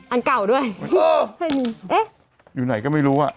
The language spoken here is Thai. อันเก่าด้วยเออไม่มีเอ๊ะอยู่ไหนก็ไม่รู้อ่ะ